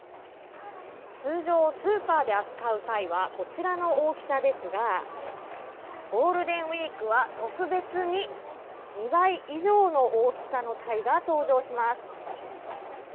通常スーパーで扱うタイはこちらの大きさですがゴールデンウィークは特別に２倍以上の大きさのタイが登場します。